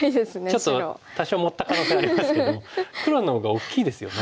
ちょっと多少盛った可能性ありますけども黒のほうが大きいですよね。